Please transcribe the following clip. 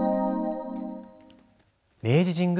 明治神宮